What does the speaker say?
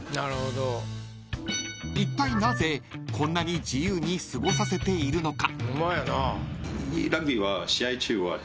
［いったいなぜこんなに自由に過ごさせているのか？］